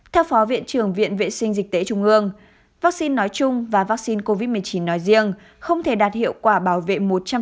theo phó viện trưởng viện vệ sinh dịch tễ trung ương vaccine nói chung và vaccine covid một mươi chín nói riêng không thể đạt hiệu quả bảo vệ một trăm linh